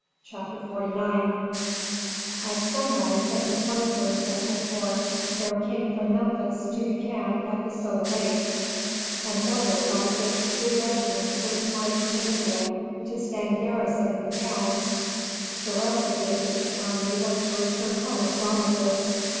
CHAPTER XLIX At sunrise of the twenty first of Hator there came from Memphis to the camp at the Soda Lakes an order by which three regiments were to march to Libya to stand garrison in the towns, the rest of the Egyptian army was to return home with Rameses.